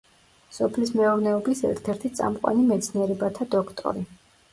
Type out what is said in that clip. სოფლის მეურნეობის ერთ-ერთი წამყვანი მეცნიერებათა დოქტორი.